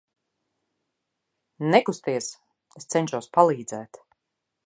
Nekusties, es cenšos palīdzēt.